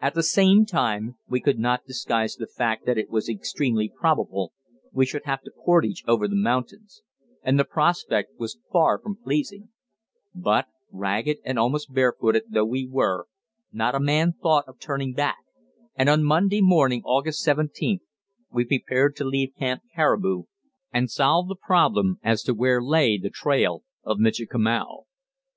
At the same time we could not disguise the fact that it was extremely probable we should have to portage over the mountains, and the prospect was far from pleasing; but, ragged and almost barefooted though we were, not a man thought of turning back, and on Monday morning, August 17th, we prepared to leave Camp Caribou and solve the problem as to where lay the trail of Michikamau.